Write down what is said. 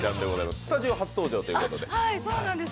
スタジオ初登場ということで。